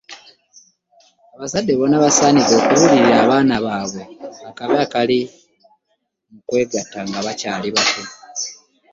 Abazadde bonna basanidde okubuulirira abaana babwe akabi akali mu kwegatta nga bakyali batto.